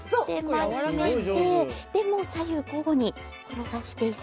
丸めて左右交互に転がしていきます。